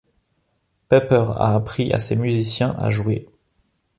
Pepper a appris à ses musiciens à jouer.